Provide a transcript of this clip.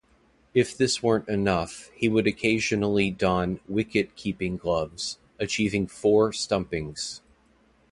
If this weren't enough, he would occasionally don wicket-keeping gloves, achieving four stumpings.